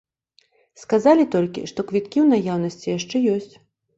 Сказалі толькі, што квіткі ў наяўнасці яшчэ ёсць.